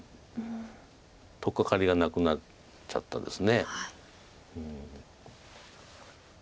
取っかかりがなくなっちゃったです。